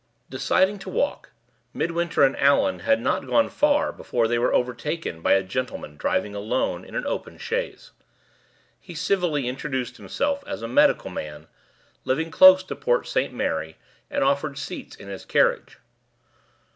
Deciding to walk, Midwinter and Allan had not gone far before they were overtaken by a gentleman driving alone in an open chaise. He civilly introduced himself as a medical man, living close to Port St. Mary, and offered seats in his carriage.